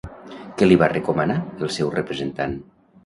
Què li va recomanar el seu representant?